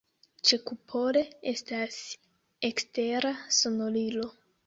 Ĉekupole estas ekstera sonorilo.